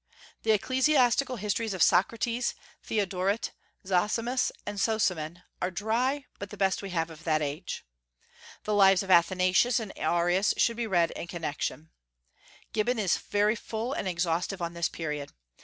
The ecclesiastical histories of Socrates, Theodoret, Zosimus, and Sozomen are dry, but the best we have of that age. The lives of Athanasius and Arius should be read in connection. Gibbon is very full and exhaustive on this period.